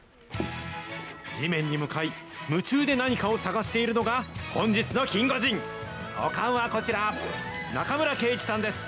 地面に向かい、夢中で何かを探しているのが、本日のキンゴジン、お顔はこちら、中村圭一さんです。